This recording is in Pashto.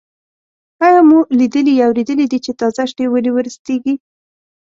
آیا مو لیدلي یا اورېدلي دي چې تازه شنې ونې ورستېږي؟